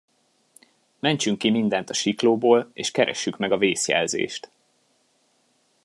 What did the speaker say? Mentsünk ki mindent a siklóból, és keressük meg a vészjelzést.